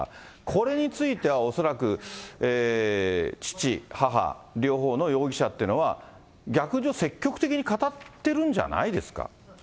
これについては恐らく、父、母、両方の容疑者というのは、逆に言うと積極的に語っているんじゃないですか。